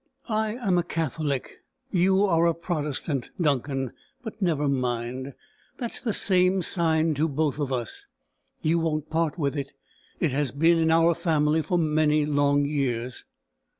"I am a Catholic; you are a Protestant, Duncan; but never mind: that's the same sign to both of us. You won't part with it. It has been in our family for many long years."